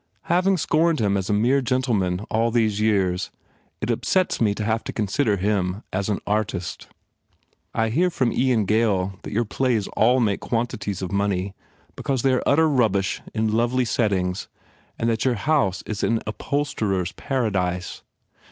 Having scorned him as a mere gentleman all these years it upsets me to have to consider him as an artist. I hear from Ian Gail that your plays all make quantities of money because they are utter rubbish in lovely settings and that your house is an upholsterer s paradise.